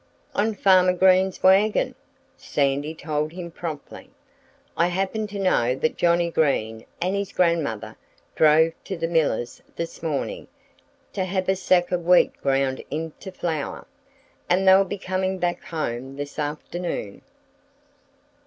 "On Farmer Green's wagon!" Sandy told him promptly. "I happen to know that Johnnie Green and his grandmother drove to the miller's this morning to have a sack of wheat ground into flour. And they'll be coming back home this afternoon."